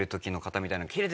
みたいな。